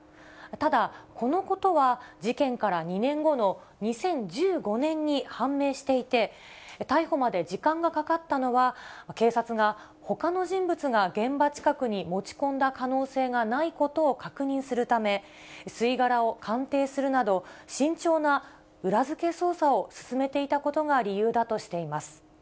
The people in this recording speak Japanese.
ただ、このことは、事件から２年後の２０１５年に判明していて、逮捕まで時間がかかったのは、警察が、ほかの人物が現場近くに持ち込んだ可能性がないことを確認するため、吸殻を鑑定するなど、慎重な裏付け捜査を進めていたことが理由だとしています。